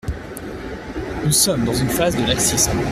Nous sommes dans une phase de laxisme.